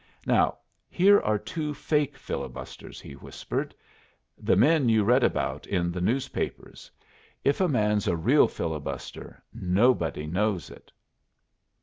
"Now, here are two fake filibusters," he whispered. "The men you read about in the newspapers. If a man's a real filibuster, nobody knows it!"